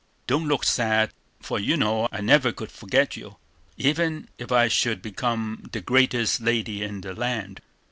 Don't look sad, for you know I never could forget you, even if I should become the greatest lady in the land."